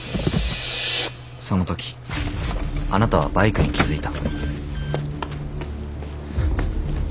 その時あなたはバイクに気付いた。